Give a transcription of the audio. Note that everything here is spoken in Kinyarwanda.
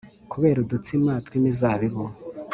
kubera udutsima tw’imizabibu